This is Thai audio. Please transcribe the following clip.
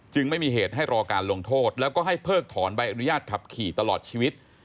ไม่มีเหตุให้รอการลงโทษแล้วก็ให้เพิกถอนใบอนุญาตขับขี่ตลอดชีวิต